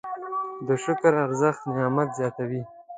د شکر ارزښت نعمت زیاتوي.